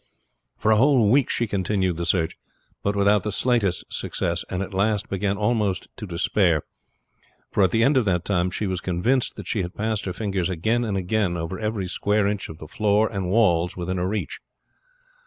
For a whole week she continued the search, but without the slightest success, and at last began almost to despair; for at the end of that time she was convinced that she had passed her fingers again and again over every square inch of the floor and walls within her reach.